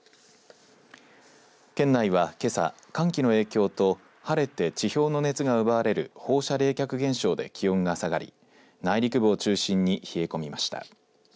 県内はけさ、寒気の影響と晴れて地表の熱が奪われる放射冷却現象で気温が下がり内陸部を中心に冷え込みました。